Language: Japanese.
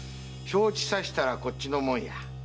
承知さしたらこっちのもんや。